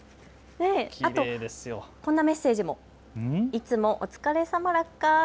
あとこんなメッセージも、いつもお疲れさまラッカ！